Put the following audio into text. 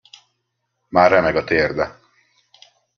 Már remeg a térde.